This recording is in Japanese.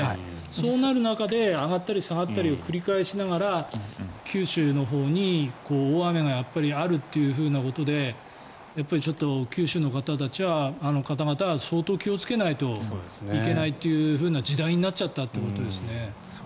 そうなる中で上がったり下がったりを繰り返しながら九州のほうに大雨があるということでちょっと九州の方々は相当気をつけないといけないというふうな時代になっちゃったってことですね。